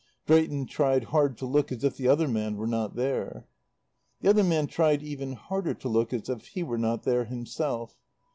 Drayton tried hard to look as if the other man were not there. The other man tried even harder to look as if he were not there himself.